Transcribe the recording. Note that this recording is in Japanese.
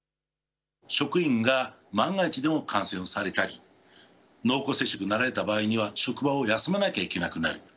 職員が万が一でも感染されたり、濃厚接触になられた場合には、職場を休まなきゃいけなくなる。